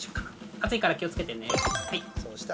熱いから気を付けてね。